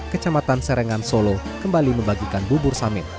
kecamatan serengan solo kembali membagikan bubur samit